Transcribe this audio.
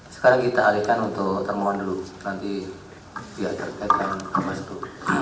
sekarang kita alihkan untuk termawan dulu nanti kita terkaitkan kemas itu